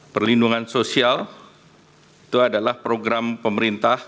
perlindungan sosial itu adalah program pemerintah